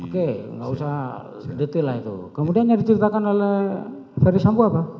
oke gak usah detail lah itu kemudiannya diceritakan oleh ferdis sampo apa